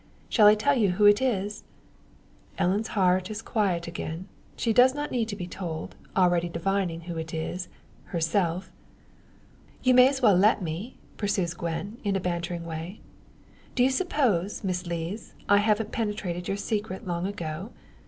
Shall I tell you who it is?" Ellen's heart is again quiet; she does not need to be told, already divining who it is herself. "You may as well let me," pursues Gwen, in a bantering way. "Do you suppose, Miss Lees, I haven't penetrated your secret long ago?